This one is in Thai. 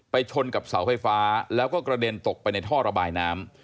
ชนกับเสาไฟฟ้าแล้วก็กระเด็นตกไปในท่อระบายน้ำ